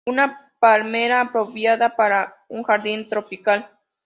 Una palmera apropiada para un jardín tropical.